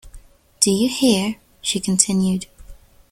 'Do you hear?’ she continued.